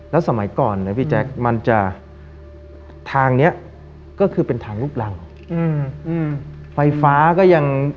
แล้วสมัยก่อนเนี่ยพี่แจ๊คทางนี้ก็คือเป็นทางลูกหลัง